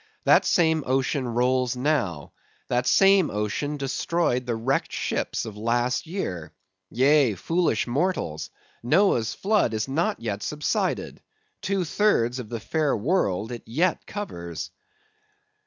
That same ocean rolls now; that same ocean destroyed the wrecked ships of last year. Yea, foolish mortals, Noah's flood is not yet subsided; two thirds of the fair world it yet covers.